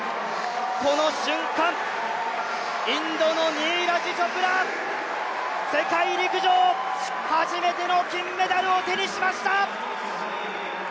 この瞬間、インドのニーラジ・チョプラ、世界陸上初めての金メダルを手にしました！